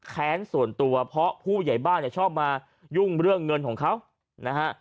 แค้นส่วนตัวเพราะผู้ใหญ่บ้านเนี่ยชอบมายุ่งเรื่องเงินของเขานะฮะ